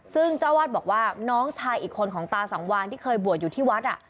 ซึ่งเจ้าวาดบอกว่าน้องชายอีกคนของตาสังวานที่เคยบวชอยู่ที่วัด